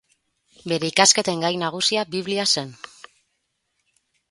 Bere ikasketen gai nagusia Biblia zen.